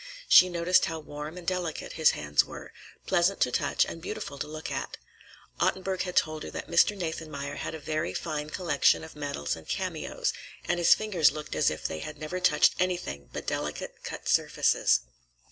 She noticed how warm and delicate his hands were, pleasant to touch and beautiful to look at. Ottenburg had told her that Mr. Nathanmeyer had a very fine collection of medals and cameos, and his fingers looked as if they had never touched anything but delicately cut surfaces.